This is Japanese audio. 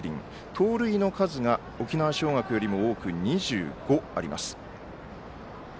盗塁の数が沖縄尚学よりも多く２５あります。